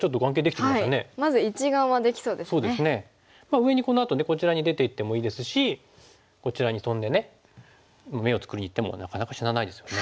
上にこのあとねこちらに出ていってもいいですしこちらにトンで眼を作りにいってもなかなか死なないですよね。